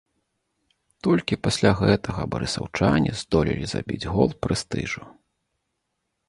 Толькі пасля гэтага барысаўчане здолелі забіць гол прэстыжу.